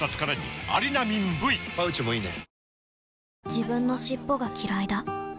自分の尻尾がきらいだ